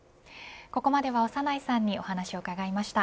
ここまでは長内さんにお話を伺いました。